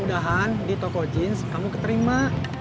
mudah mudahan di toko jeans kamu keterima